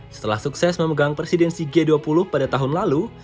setelah sukses memegang presidensi g dua puluh pada tahun lalu